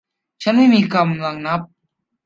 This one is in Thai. ฉันไม่มีกำลังนับ